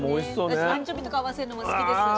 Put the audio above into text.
私アンチョビとか合わせるのも好きです。